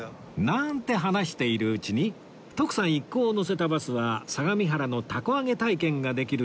なんて話しているうちに徳さん一行を乗せたバスは相模原の凧揚げ体験ができる施設に到着